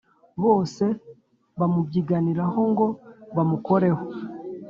bose bamubyiganiraho ngo bamukoreho